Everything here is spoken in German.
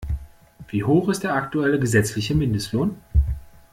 Wie hoch ist der aktuelle gesetzliche Mindestlohn?